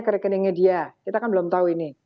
ke rekeningnya dia kita kan belum tahu ini